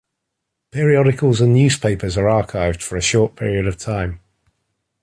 Periodicals and newspapers are archived for a short period of time.